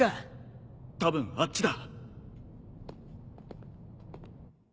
たぶんあっちだ。